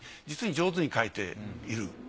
実に上手に書いている。